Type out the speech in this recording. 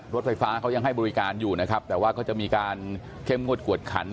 รถไฟฟ้าเขายังให้บริการอยู่นะครับแต่ว่าเขาจะมีการเข้มงวดกวดขัน